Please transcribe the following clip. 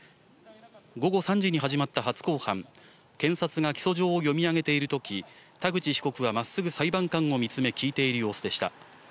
午後３時に始まった初公判、検察が起訴状を読み上げているとき、田口被告はまっすぐ裁判官を見つめ、聞いている様子でした。